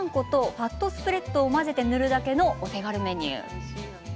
ファットスプレッドを混ぜて塗るだけのお手軽メニュー。